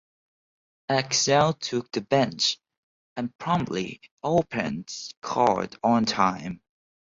Axtell took the bench, and promptly opened court on time.